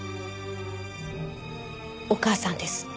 お母さんです。